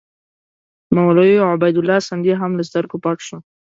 مولوي عبیدالله سندي هم له سترګو پټ شو.